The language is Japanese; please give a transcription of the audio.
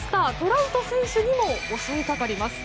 ラウト選手にも襲いかかります。